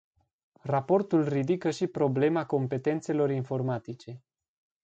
Raportul ridică și problema competențelor informatice.